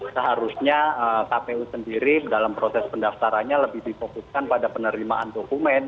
seharusnya kpu sendiri dalam proses pendaftarannya lebih difokuskan pada penerimaan dokumen